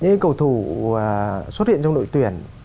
những cầu thủ xuất hiện trong đội tuyển